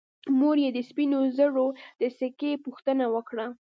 مور یې د سپینو زرو د سکې پوښتنه وکړه.